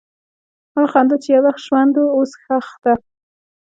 هغه خندا چې یو وخت ژوند وه، اوس ښخ ده.